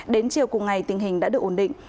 đến chiều cùng ngày tình hình đã được ổn định